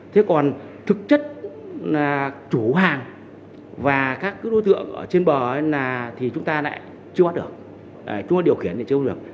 thế còn thực chất là chủ hàng và các đối tượng trên bờ thì chúng ta lại chưa bắt được chúng ta điều khiển thì chưa bắt được